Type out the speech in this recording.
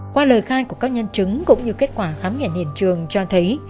qua lời khai của các nhân chứng cũng như kết quả khám nghiệm hiện trường cho thấy